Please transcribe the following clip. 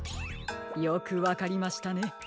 よくわかりましたね。